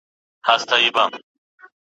بې صبري وي بې ثمره صبر کړه خدای به مي درکړي